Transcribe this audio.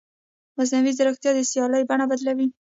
مصنوعي ځیرکتیا د سیالۍ بڼه بدلوي.